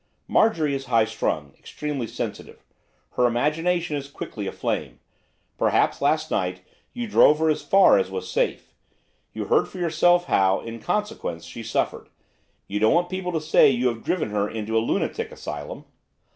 'Marjorie is high strung, extremely sensitive. Her imagination is quickly aflame. Perhaps, last night, you drove her as far as was safe. You heard for yourself how, in consequence, she suffered. You don't want people to say you have driven her into a lunatic asylum.